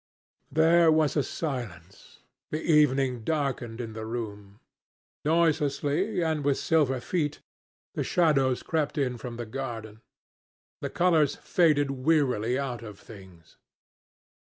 There was a silence. The evening darkened in the room. Noiselessly, and with silver feet, the shadows crept in from the garden. The colours faded wearily out of things.